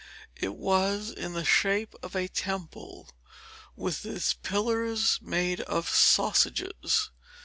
It was in the shape of a temple, with its pillars made of sausages.